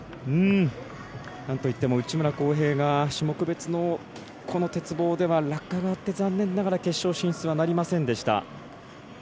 なんといっても内村航平が種目別の鉄棒では落下があって残念ながら決勝進出はなりませんでした。